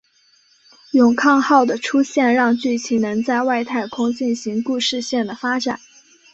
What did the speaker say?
勇抗号的出现让剧集能在外太空进行故事线的发展。